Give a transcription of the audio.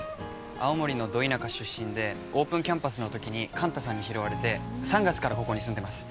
青森のド田舎出身でオープンキャンパスの時に寛太さんに拾われて３月からここに住んでます